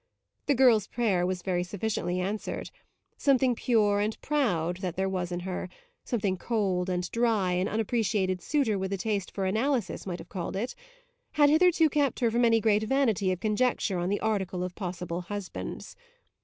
The girl's prayer was very sufficiently answered; something pure and proud that there was in her something cold and dry an unappreciated suitor with a taste for analysis might have called it had hitherto kept her from any great vanity of conjecture on the article of possible husbands.